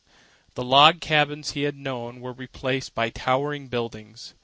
The log cabins he had known were replaced by towering buildings.